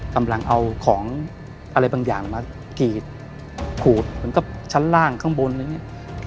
กำลังเอาของอะไรบางอย่างมากรีดขูดเหมือนกับชั้นล่างข้างบนอะไรอย่างนี้